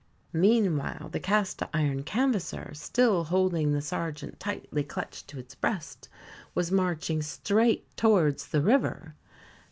Meanwhile, the Cast iron Canvasser, still holding the sergeant tightly clutched to its breast, was marching straight towards the river.